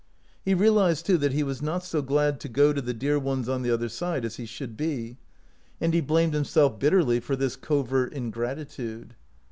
He realized, too, that he was not so glad to go to the dear ones on the other side as he should be, and he blamed himself bitterly for this covert ingratitude.